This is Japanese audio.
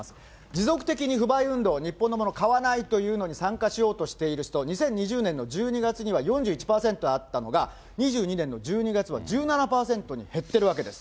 持続的に不買運動、日本のものを買わないというのに参加しようとしている人、２０２０年の１２月には、４１％あったのが、２２年の１２月は１７％に減ってるわけです。